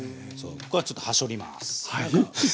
ちょっとはしょります。